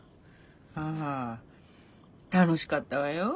あ楽しかったわよ。